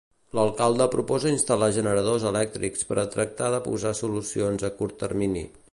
L'alcalde proposa instal·lar generadors elèctrics per a tractar de posar solucions a curt termini.